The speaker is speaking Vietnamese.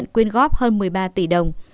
quyên góp hơn một mươi ba tỷ đồng